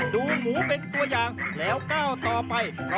ดูหมูเป็นตัวอย่างแล้วก้าวต่อไป